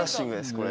これ。